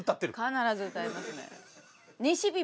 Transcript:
必ず歌いますね。